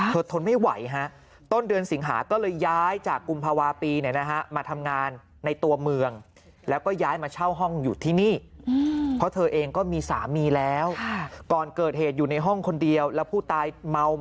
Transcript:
เธอทนไม่ไหวฮะต้นเดือนสิงหาก็เลยย้ายจากกุมภาวาปีเนี่ยนะฮะ